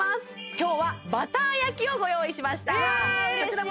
今日はバター焼きをご用意しました・うわ嬉しい！